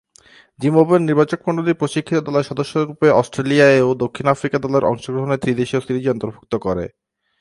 জিম্বাবুয়ের নির্বাচকমণ্ডলী প্রশিক্ষিত দলের সদস্যরূপে অস্ট্রেলিয়া এ ও দক্ষিণ আফ্রিকা দলের অংশগ্রহণে ত্রি-দেশীয় সিরিজে অন্তর্ভুক্ত করে।